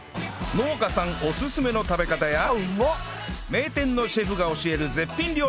農家さんおすすめの食べ方や名店のシェフが教える絶品料理も